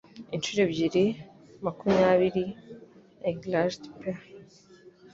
Inshuro ebyiri makumyabiri enragèd pe